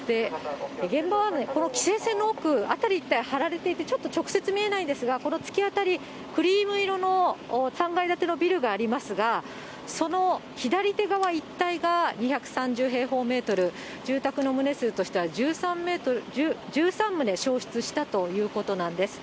現場はこの規制線の奥、辺り一帯張られていて、ちょっと直接見えないんですが、この突き当たり、クリーム色の３階建てのビルがありますが、その左手側一帯が２３０平方メートル、住宅の棟数としては、１３棟焼失したということなんです。